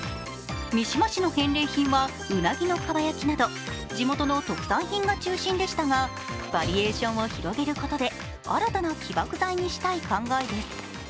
三島市の返礼品はうなぎの蒲焼など地元の特産品が中心でしたがバリエーションを広げることで新たな起爆剤にしたい考えです。